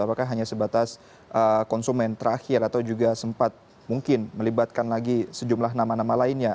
apakah hanya sebatas konsumen terakhir atau juga sempat mungkin melibatkan lagi sejumlah nama nama lainnya